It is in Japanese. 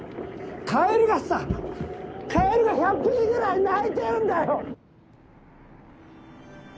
カエルがさカエルが１００匹ぐらい鳴いてるんだよ！